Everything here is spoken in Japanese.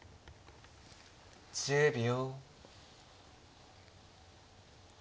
１０秒。